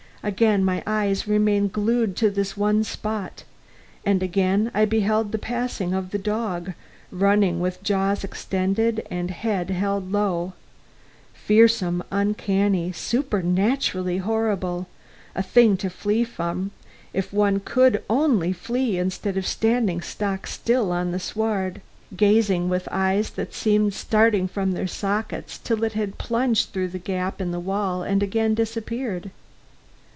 Again my eyes remained glued to this one spot; and again I beheld the passing of that dog, running with jaws extended and, head held low fearsome, uncanny, supernaturally horrible; a thing to flee from, if one could only flee instead of standing stock still on the sward, gazing with eyes that seemed starting from their sockets till it had plunged through that gap in the wall and again disappeared.